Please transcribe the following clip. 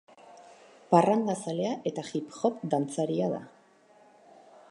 Parrandazalea eta hip hop dantzaria da.